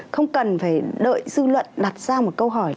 không cần phải đợi dư luận đặt ra một câu hỏi